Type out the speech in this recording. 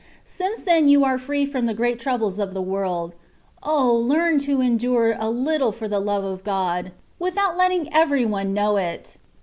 Since then you are free from the great troubles of the world, O ! learn to endure a little for the love of God, without letting every one know it.